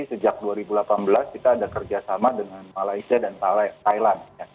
sejak dua ribu delapan belas kita ada kerjasama dengan malaysia dan thailand